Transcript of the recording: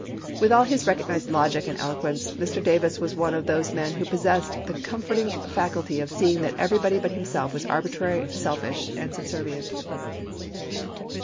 With all his recognized logic and eloquence Mr. Davis was one of those men who possessed the comforting faculty of seeing that everybody but himself was arbitrary, selfish, and subservient.